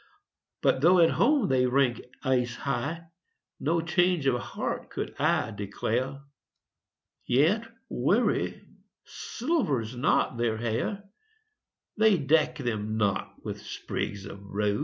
But though at home they rank ace high, No change of heart could I declare. Yet worry silvers not their hair; They deck them not with sprigs of rue.